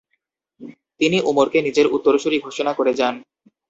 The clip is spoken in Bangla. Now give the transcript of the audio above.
তিনি উমরকে নিজের উত্তরসূরি ঘোষণা করে যান।